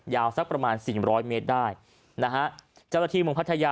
สักประมาณสี่ร้อยเมตรได้นะฮะเจ้าหน้าที่เมืองพัทยา